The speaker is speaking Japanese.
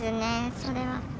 それは。